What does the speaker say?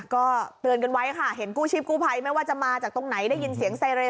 ก็เตือนกันไว้ค่ะเห็นกู้ชีพกู้ภัยไม่ว่าจะมาจากตรงไหนได้ยินเสียงไซเรน